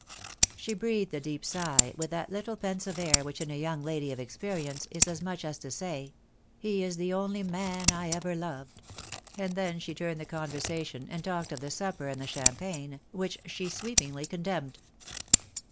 She breathed a deep sigh, with that little pensive air which in a young lady of experience is as much as to say, "He was the only man I ever loved," and then she turned the conversation and talked of the supper and the champagne, which she sweepingly condemned.